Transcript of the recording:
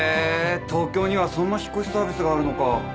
東京にはそんな引っ越しサービスがあるのか。